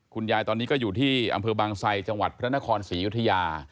คุณยายตอนนี้ก็อยู่ที่อำเภอบางไซจังหวัดพระนครศรียุธยา